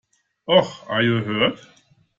Ouch! Are you hurt?